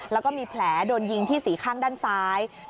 แล้วก็มีแผลโดนยิงที่สี่ข้างด้านซ้าย